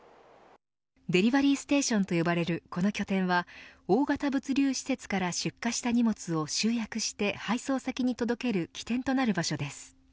デリバリーステーションと呼ばれるこの拠点は大型物流施設から出荷した荷物を集約して配送先に届ける起点となる場所です。